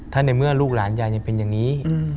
ถ้าในเมื่อลูกหลานยายยังเป็นอย่างนี้